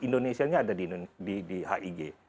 indonesia ada di hig